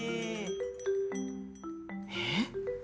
えっ？